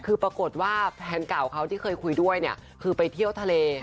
คือปรากฏว่าแฟนเก่าเขาที่เคยคุยด้วยเนี่ยคือไปเที่ยวทะเล